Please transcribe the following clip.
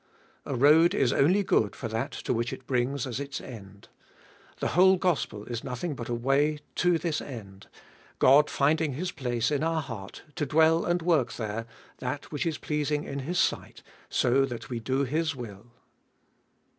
4. A road is only good for that to which it brings as its end. The whole gospel is nothing but a way to this end God finding His place in our heart to dwell and work there that which is pleasing in His sight, so that we do His will.